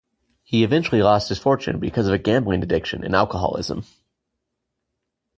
He eventually lost his fortune because of a gambling addiction and alcoholism.